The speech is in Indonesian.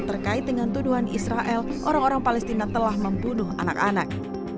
terkait dengan tuduhan israel orang orang palestina telah membunuh anak anak